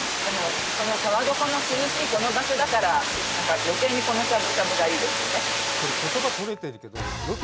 川床の涼しいこの場所だからよけいにこのしゃぶしゃぶがいいですね